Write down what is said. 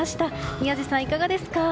宮司さん、いかがですか？